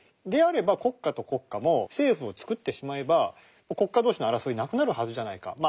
であれば国家と国家も政府をつくってしまえばもう国家同士の争いなくなるはずじゃないか。